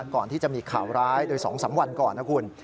ก่อนที่จะมีข่าวร้ายโดย๒๓วันก่อนนะคุณ